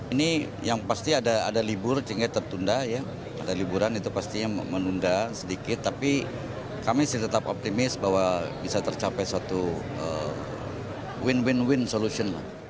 ini yang pasti ada libur cinggah tertunda ada liburan itu pastinya menunda sedikit tapi kami tetap optimis bahwa bisa tercapai satu win win win solusi